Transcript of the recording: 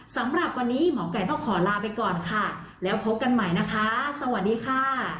สำหรับวันนี้หมอไก่ต้องขอลาไปก่อนค่ะแล้วพบกันใหม่นะคะสวัสดีค่ะ